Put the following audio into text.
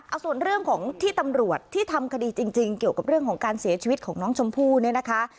เอาส่วนเรื่องของที่ตำรวจที่ทำคดีจริงเกี่ยวกับเรื่องของการเสียชีวิตของน้องชมพู่เนี่ยนะคะ